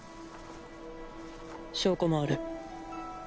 証拠もある。